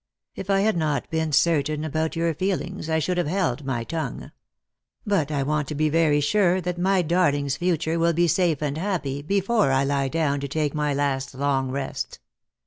If I had not been certain about your feelings, I should have held my tongue. But I want to be very sure that my darling's future will be safe and happy before I lie down to take my last long rest.